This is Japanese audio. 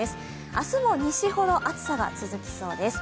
明日も西ほど暑さが続きそうです。